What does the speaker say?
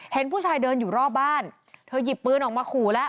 เห็นผู้ชายเดินอยู่รอบบ้านเธอหยิบปืนออกมาขู่แล้ว